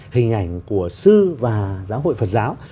hình ảnh của sư và giáo hội phật giáo